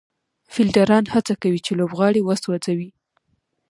فېلډران هڅه کوي، چي لوبغاړی وسوځوي.